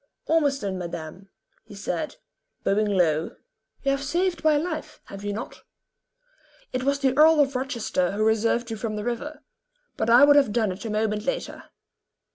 "Ormiston, madame," he said, bowing low. "You have saved my life, have you not?" "It was the Earl of Rochester who reserved you from the river; but I would have done it a moment later."